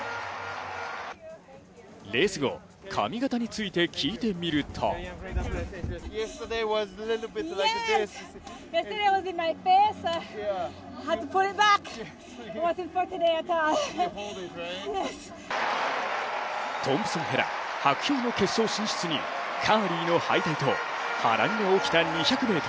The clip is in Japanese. レース後、髪形について聞いてみるとトンプソン・ヘラ薄氷の決勝進出とカーリーの敗退と波乱が起きた２００ｍ。